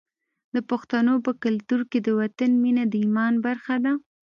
د پښتنو په کلتور کې د وطن مینه د ایمان برخه ده.